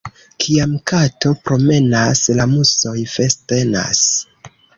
Kiam kato promenas, la musoj festenas.